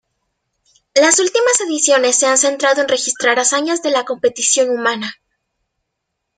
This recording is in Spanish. Las últimas ediciones se han centrado en registrar las hazañas de competición humana.